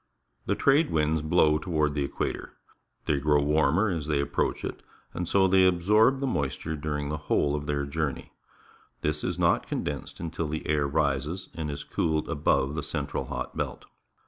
The trade winds blow toward the equator. They grow warmer as they approach it, and so they absorb moisture during the whole of their journey. This is not condensed until the air rises and is cooled above the central hot belt.